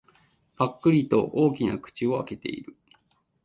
ぱっくりと大きな口を開けている。